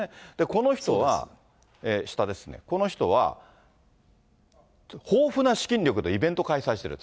この人は、下ですね、この人は豊富な資金力でイベント開催している。